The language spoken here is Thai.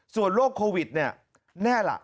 ส่วนโรคโควิดแน่ล่ะ